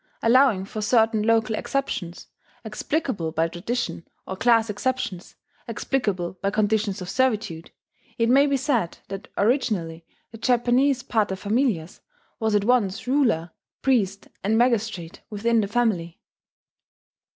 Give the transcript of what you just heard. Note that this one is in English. Allowing for certain local exceptions, explicable by tradition, or class exceptions, explicable by conditions of servitude, it may be said that originally the Japanese paterfamilias was at once ruler, priest, and magistrate within the family.